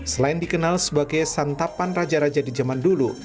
selain dikenal sebagai santapan raja raja di zaman dulu